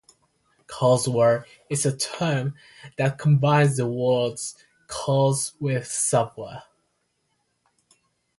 "Courseware" is a term that combines the words 'course' with 'software'.